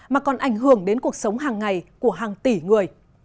mà còn ảnh hưởng đến cuộc sống hàng ngày của hàng tỷ người